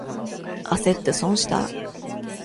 あせって損した。